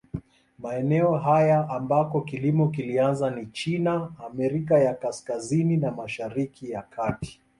Maeneo haya ambako kilimo kilianza ni China, Amerika ya Kaskazini na Mashariki ya Kati.